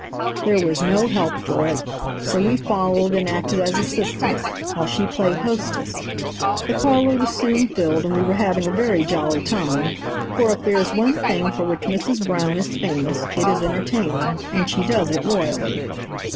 There was no help for it, so we followed and acted as assistants, while she played hostess. The parlor was soon filled and we were having a very jolly time, for if there is one thing for which Mrs. Brown is famous, it is entertaining, and she does it royally.